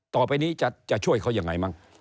ต่อไปนี้จะช่วยเขายังไงมั้ง